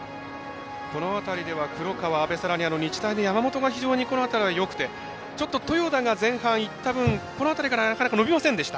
この辺りでは黒川、安部さらに日大の山本がこの辺りがよくてちょっと豊田が前半いった分この辺りからなかなか伸びませんでした。